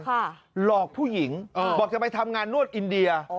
หลอกผู้หญิงบอกจะไปทำงานนวดอินเดีย